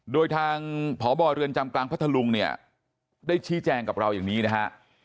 โดยทางพบเรือนจำกลางพัทธลุงเนี่ยได้ชี้แจงกับเราอย่างนี้นะฮะ